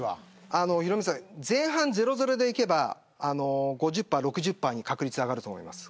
ヒロミさん前半０対０でいけば５０％、６０％に勝つ確率が上がると思います。